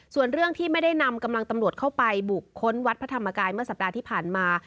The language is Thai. ส่วนเรื่องที่ไม่ได้นำกำลังตำรวจเข้าไปบุกค้นวัดพระธรรมกายเมื่อสัปดาห์ที่ผ่านมา